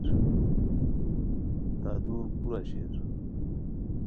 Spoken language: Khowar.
تہ دور کورا شیر؟